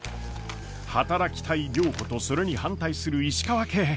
働きたい良子とそれに反対する石川家。